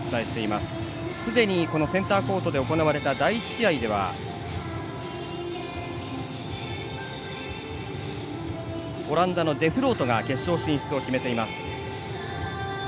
すでに、このセンターコートで行われた第１試合ではオランダのデフロートが決勝進出を決めています。